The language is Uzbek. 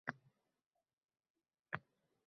“Xudoga shukr-e, to‘ylarimiz tartibga olinar ekan!”